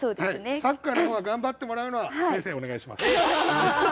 サッカーの方は頑張ってもらうのは先生お願いします。